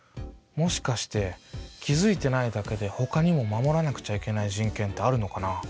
もしかして気付いてないだけでほかにも守らなくちゃいけない人権ってあるのかな？